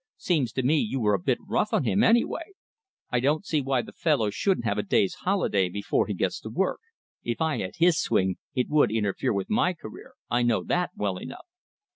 "Seems to me you were a bit rough on him, anyway. I don't see why the fellow shouldn't have a day's holiday before he gets to work. If I had his swing, it would interfere with my career, I know that, well enough."